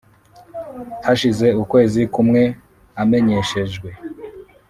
hashize ukwezi kumwe amenyeshejwe